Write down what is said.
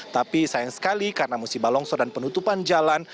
tapi sayang sekali karena musim balongso dan penutupan jalan